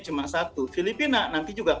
cuma satu filipina nanti juga